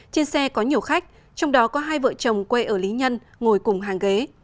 trên xe có nhiều khách trong đó có hai vợ chồng quê ở lý nhân ngồi cùng hàng ghế